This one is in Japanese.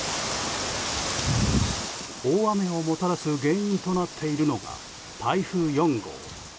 大雨をもたらす原因となっているのが台風４号。